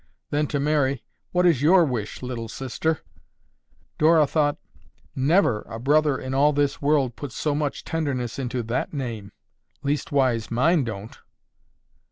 Then to Mary, "What is your wish, Little Sister?" Dora thought, "Never a brother in all this world puts so much tenderness into that name. Leastwise mine don't!"